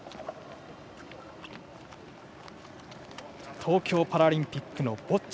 東京パラリンピックのボッチャ。